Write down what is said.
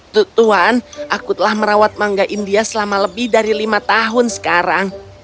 tuan aku telah merawat mangga india selama lebih dari lima tahun sekarang